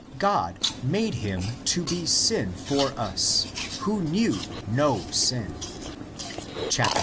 God '* made him to be sin for us, who knew no sin " (v.